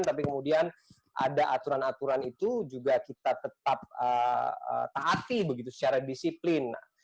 tapi kemudian ada aturan aturan itu juga kita tetap taati begitu secara disiplin